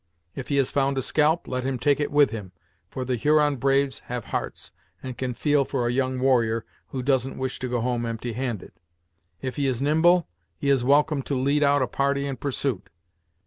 If he has found a scalp, let him take it with him, for the Huron braves have hearts, and can feel for a young warrior who doesn't wish to go home empty handed. If he is nimble, he is welcome to lead out a party in pursuit.